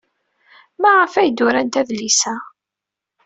Maɣef ay d-urant adlis-a?